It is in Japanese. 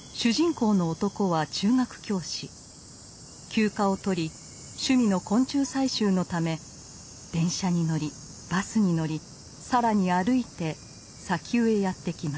休暇を取り趣味の昆虫採集のため電車に乗りバスに乗り更に歩いて砂丘へやって来ます。